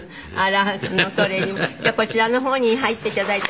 じゃあこちらの方に入って頂いて。